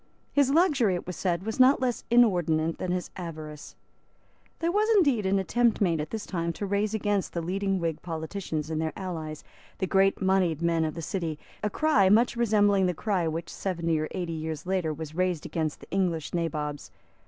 His luxury, it was said, was not less inordinate than his avarice. There was indeed an attempt made at this time to raise against the leading Whig politicians and their allies, the great moneyed men of the City, a cry much resembling the cry which, seventy or eighty years later, was raised against the English Nabobs.